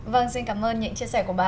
vâng xin cảm ơn những chia sẻ của bà